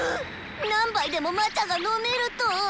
何杯でも魔茶が飲めると！